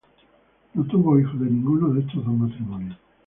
No tuvo hijos de ninguno de estos dos matrimonios.